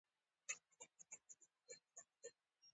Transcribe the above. د کتاب پاڼو ږغ پوهه وړاندې کوي.